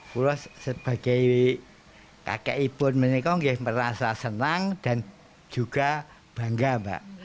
pura sebagai kakek ibu menikah ya merasa senang dan juga bangga mbak